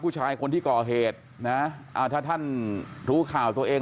ผู้ชายคนที่ก่อเหตุนะอ่าถ้าท่านรู้ข่าวตัวเอง